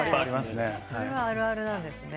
それはあるあるなんですね。